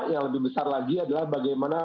yang lebih besar lagi adalah bagaimana